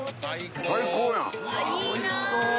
うわおいしそう！